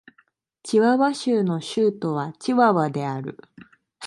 チワワ州の州都はチワワである